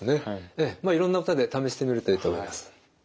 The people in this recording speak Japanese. ええいろんな歌で試してみるといいと思います。